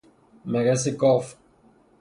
مگس گاو